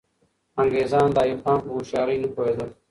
انګریزان د ایوب خان په هوښیاري نه پوهېدل.